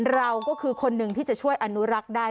เราก็คือคนหนึ่งที่จะช่วยอนุรักษ์ได้